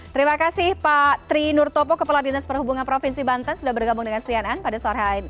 terima kasih pak tri nur topo kepala dinas perhubungan provinsi banten sudah bergabung dengan cnn pada sore hari ini